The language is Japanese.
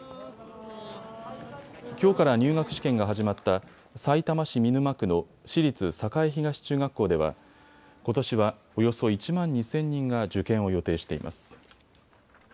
きょうから入学試験が始まったさいたま市見沼区の私立栄東中学校ではことしは、およそ１万２０００人が受験を予定しています。